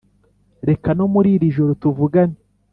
reka no muri iri joro tuvugane